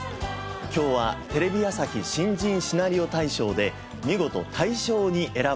今日はテレビ朝日新人シナリオ大賞で見事大賞に選ばれました